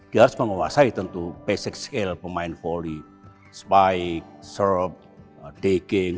dia harus menguasai tentu basic skill pemain volley spike serve digging